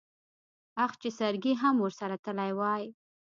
اخ چې سرګي ام ورسره تلی وای.